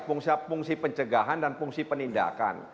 fungsi pencegahan dan fungsi penindakan